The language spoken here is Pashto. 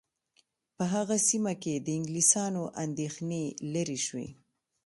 په هغه سیمه کې د انګلیسیانو اندېښنې لیرې شوې.